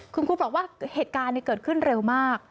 คุณครูบอกว่าเหตุการณ์เกิดขึ้นเร็วมาก